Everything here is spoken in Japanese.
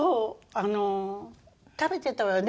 あの食べてたわよね。